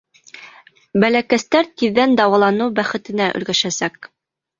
Бәләкәстәр тиҙҙән дауаланыу бәхетенә өлгәшәсәк.